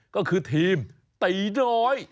ก็คือทีมตีน้อย